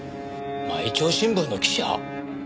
毎朝新聞の記者？